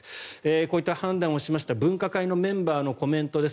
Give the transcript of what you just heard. こういった判断をした分科会のメンバーのコメントです。